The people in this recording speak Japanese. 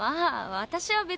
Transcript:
私は別に。